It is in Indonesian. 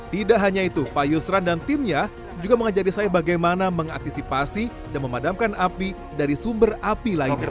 tidak hanya itu pak yusran dan timnya juga mengajari saya bagaimana mengantisipasi dan memadamkan api dari sumber api lainnya